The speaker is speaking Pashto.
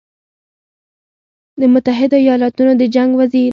د متحدو ایالتونو د جنګ وزیر